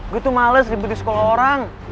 gue tuh males ngibut di sekolah orang